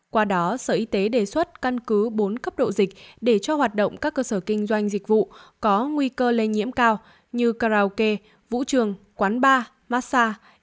qua đó sở y tế đề xuất căn cứ bốn cấp độ dịch để cho hoạt động các cơ sở kinh doanh dịch vụ có nguy cơ lây nhiễm cao như karaoke vũ trường quán bar massage